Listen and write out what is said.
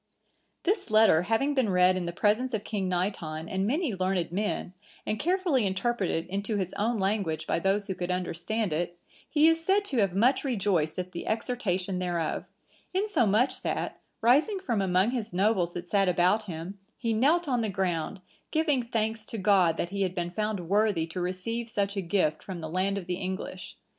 This letter having been read in the presence of King Naiton and many learned men, and carefully interpreted into his own language by those who could understand it, he is said to have much rejoiced at the exhortation thereof; insomuch that, rising from among his nobles that sat about him, he knelt on the ground, giving thanks to God that he had been found worthy to receive such a gift from the land of the English.